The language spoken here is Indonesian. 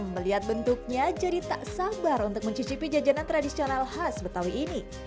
melihat bentuknya jadi tak sabar untuk mencicipi jajanan tradisional khas betawi ini